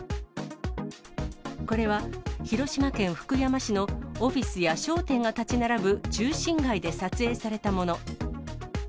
これは広島県福山市のオフィスや商店が建ち並ぶ中心街で撮影されたもの。